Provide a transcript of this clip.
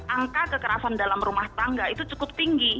angka kekerasan dalam rumah tangga itu cukup tinggi